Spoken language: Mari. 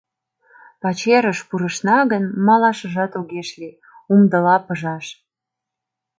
Пачерыш пурышна гын, малашыжат огеш лий — умдыла пыжаш.